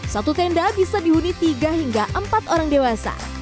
satu tenda bisa dihuni tiga hingga empat orang dewasa